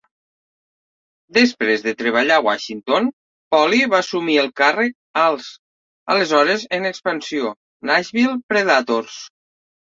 Després de treballar a Washington, Poile va assumir el càrrec als, aleshores en expansió, Nashville Predators.